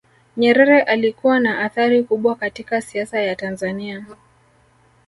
nyerere alikuwa na athari kubwa katika siasa ya tanzania